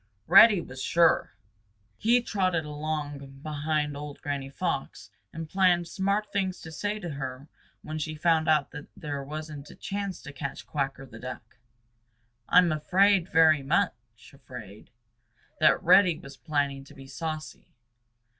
Reddy was sure. He trotted along behind old Granny Fox and planned smart things to say to her when she found that there wasn't a chance to catch Quacker the Duck. I am afraid, very much afraid, that Reddy was planning to be saucy.